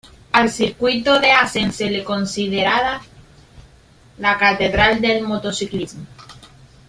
Al Circuito de Assen se le considerada "La Catedral del Motociclismo".